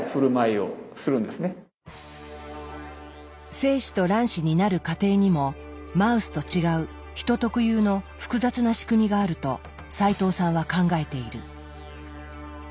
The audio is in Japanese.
精子と卵子になる過程にもマウスと違うヒト特有の複雑な仕組みがあると斎藤さんは考えている。